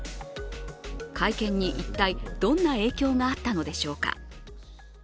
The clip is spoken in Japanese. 会見に一体、どんな影響があったのでしょうか。